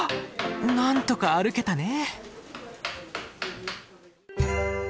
なんとか歩けたね。